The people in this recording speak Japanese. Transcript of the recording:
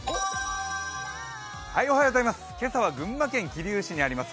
今朝は群馬県桐生市にありらます